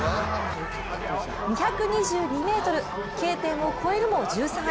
２２２ｍ、Ｋ点を越えるも１３位。